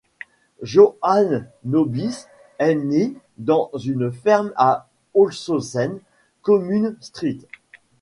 Johann Nobis est né dans une ferme à Holzhausen, commune St.